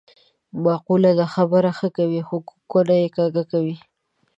معقوله ده: خبره ښه کوې خو کونه یې کږه کوې.